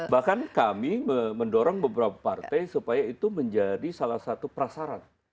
bahkan kami mendorong beberapa partai supaya itu menjadi salah satu prasarat